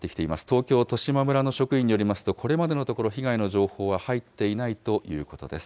東京・利島村の職員によりますと、これまでのところ、被害の情報は入っていないということです。